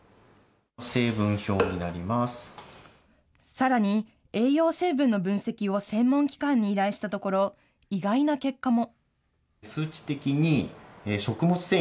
さらに、栄養成分の分析を専門機関に依頼したところ、意外な結果も。